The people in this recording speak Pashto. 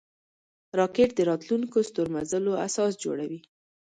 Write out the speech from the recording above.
راکټ د راتلونکو ستورمزلو اساس جوړوي